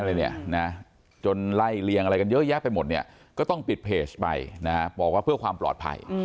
อยู่อยู่ให้เรียกอะไรกันเยอะแยะไปหมดเนี่ยก็ต้องปิดเผจไปนะเรียกว่าเพื่อความปลอดภัย